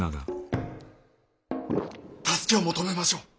助けを求めましょう！